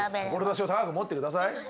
志を高く持ってください。